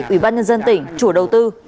ủy ban nhân dân tỉnh chủ đầu tư